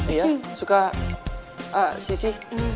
iya suka sisi